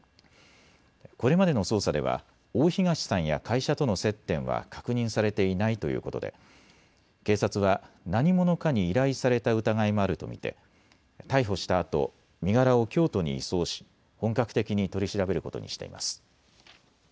これまでの捜査では大東さんや会社との接点は確認されていないということで警察は何者かに依頼された疑いもあると見て逮捕したあと身柄を京都に移送し本格的に取り調べることにしています。